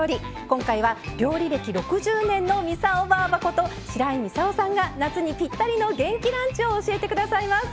今回は料理歴６０年の操ばぁばこと白井操さんが夏にぴったりの元気ランチを教えてくださいます。